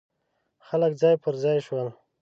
خلک ځای پر ځای شول.